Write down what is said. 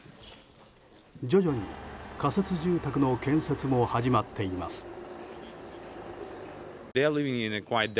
徐々に仮設住宅の建設も始まっています。